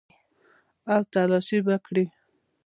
او تلاشي به وکړي.